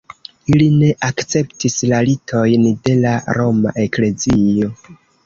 Ili ne akceptis la ritojn de la Roma eklezio.